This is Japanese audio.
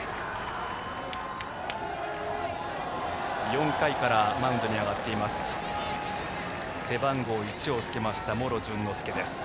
４回からマウンドに上がっている背番号１をつけた茂呂潤乃介。